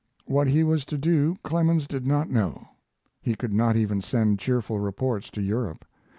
What he was to do Clemens did not know. He could not even send cheerful reports to Europe.